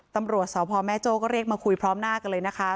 ตำรวจสพแม่โจ้ก็เรียกมาคุยพร้อมหน้ากันเลยนะคะ